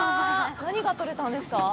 何が取れたんですか？